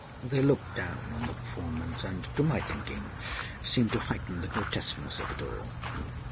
They looked down on the performance, and, to my thinking, seemed to heighten the grotesqueness of it all.